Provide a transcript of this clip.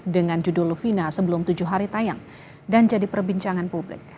dengan judul lufina sebelum tujuh hari tayang dan jadi perbincangan publik